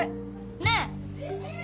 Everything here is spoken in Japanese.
ねえ？